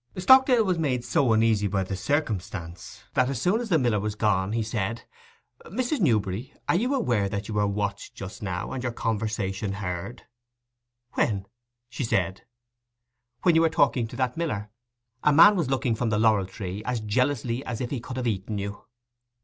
Stockdale was made so uneasy by the circumstance, that as soon as the miller was gone, he said, 'Mrs. Newberry, are you aware that you were watched just now, and your conversation heard?' 'When?' she said. 'When you were talking to that miller. A man was looking from the laurel tree as jealously as if he could have eaten you.